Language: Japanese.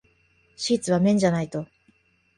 シーツは綿じゃないと。